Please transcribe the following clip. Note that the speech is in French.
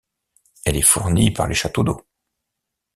Elle est fournie par les châteaux d'eau.